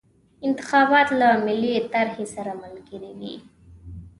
انتخابات له ملي طرحې سره ملګري وي.